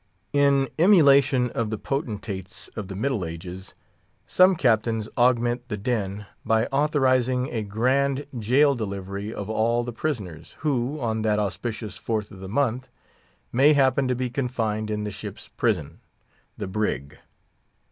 In emulation of the potentates of the Middle Ages, some Captains augment the din by authorising a grand jail delivery of all the prisoners who, on that auspicious Fourth of the month, may happen to be confined in the ship's prison—"the brig."